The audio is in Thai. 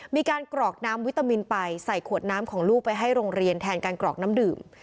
กรอกน้ำวิตามินไปใส่ขวดน้ำของลูกไปให้โรงเรียนแทนการกรอกน้ำดื่ม